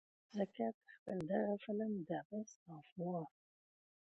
ځکه د خپل دغه فلم The Beast of War